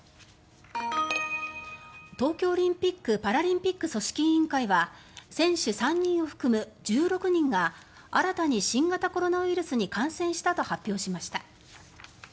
東京オリンピック・パラリンピック組織委員会は選手３人を含む１６人が新たに新型コロナウイルスに感染したと発表しました。